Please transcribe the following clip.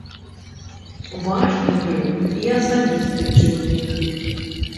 Важны быў і асабісты чыннік.